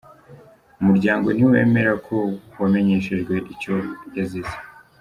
Umuryango ntiwemera ko wamenyeshejwe icyo yazize.